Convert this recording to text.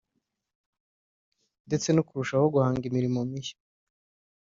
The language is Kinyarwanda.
ndetse no kurushaho guhanga imirimo mishya